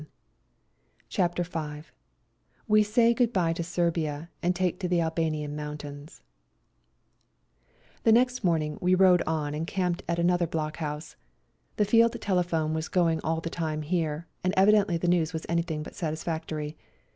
H2 CHAPTER V WE SAY GOOD BYE TO SERBIA AND TAKE TO THE ALBANIAN MOUNTAINS The next morning we rode on and camped at another block house. The field tele phone was going all the time here, and evidently the news was anything but satisfactory.